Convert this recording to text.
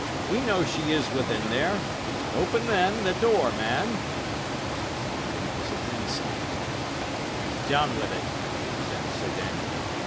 We know she is within there. Open, then, the door, man." Dick was again silent. "Down with it," said Sir Daniel.